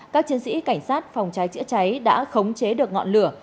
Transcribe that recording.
các chiến sĩ cảnh sát phòng cháy chữa cháy đã khống chế được ngọn lửa